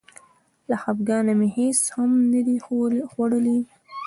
له خپګانه مې هېڅ هم نه دي خوړلي.